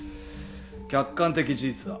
客観的事実だ。